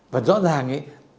và rõ ràng ấy